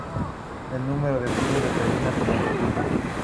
El número de tubos determina su longitud.